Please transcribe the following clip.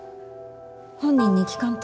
本人に聞かんと。